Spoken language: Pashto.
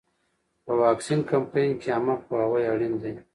په واکسین کمپاین کې عامه پوهاوی اړین دی.